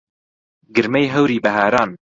گرمەی هەوری بەهاران